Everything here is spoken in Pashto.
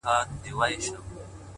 له اوږده سفره ستړي را روان وه٫